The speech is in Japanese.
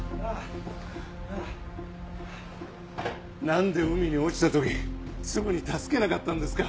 何で海に落ちた時すぐに助けなかったんですか！